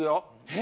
え！